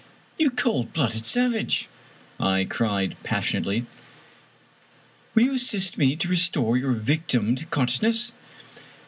" You cold blooded savage !" I cried passionately, " will you assist me to restore your victim to consciousness